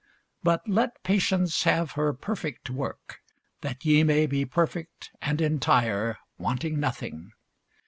But let patience have her perfect work, that ye may be perfect and entire, wanting nothing.